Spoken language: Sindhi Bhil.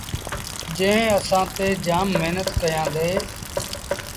جݩهݩ اسآݩ تي جآم مهنت ڪيآندي۔